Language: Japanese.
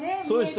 そう。